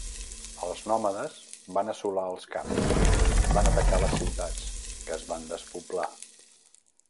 Els nòmades van assolar els camps; van atacar les ciutats, que es van despoblar.